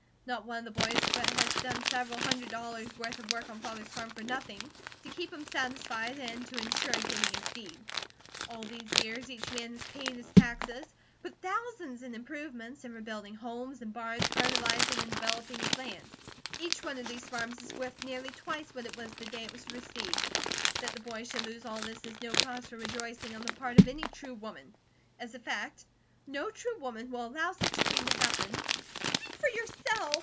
Not one of the boys but has done several hundred dollars' worth of work on Father's farm for nothing, to keep him satisfied and to insure getting his deed. All these years, each man has paid his taxes, put thousands in improvements, in rebuilding homes and barns, fertilizing, and developing his land. Each one of these farms is worth nearly twice what it was the day it was received. That the boys should lose all this is no cause for rejoicing on the part of any true woman; as a fact, no true woman would allow such a thing to happen " "Speak for yourself!"